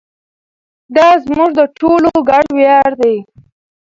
دا زموږ د ټولو ګډ ویاړ دی.